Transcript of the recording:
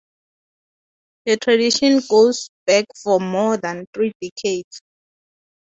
The tradition goes back for more than three decades.